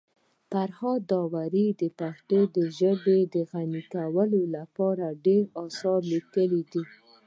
فرهاد داوري د پښتو ژبي د غني کولو لپاره ډير اثار لیکلي دي.